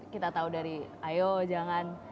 kita tahu dari ayo jangan